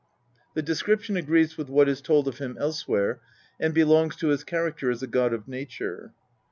The description agrees with what is told oi him elsewhere, and belongs to his character as a god of nature.